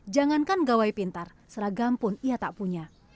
jangankan gawai pintar seragam pun ia tak punya